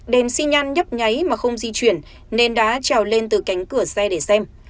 đèn xi nhan nhấp nháy mà không di chuyển nên đã trào lên từ cánh cửa xe để xem